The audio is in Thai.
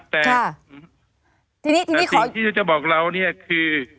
แต่สิ่งที่จะบอกเราเนี่ยคือ